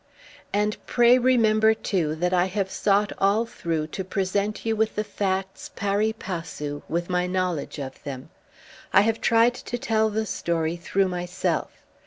And pray remember too that I have sought all through to present you with the facts PARI PASSU with my knowledge of them. I have tried to tell the story through myself.